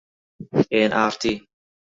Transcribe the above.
ئێن ئاڕ تی